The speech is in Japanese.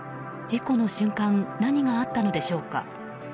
事故の瞬間何があったのでしょうか。